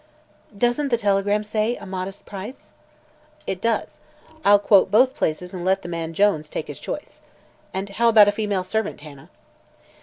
"Doesn't the telegram say 'a modest price'?" "It does. I'll quote both places and let the man Jones take his choice. And how about the female servant, Hannah?"